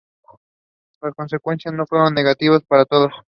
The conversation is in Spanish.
Las consecuencias no fueron negativas para todos.